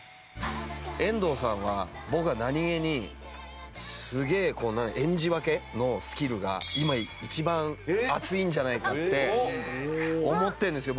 遠藤さんは僕は何げにすげえ演じ分けのスキルが今一番熱いんじゃないかって思ってるんですよ